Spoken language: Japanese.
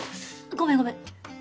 ごめんごめん。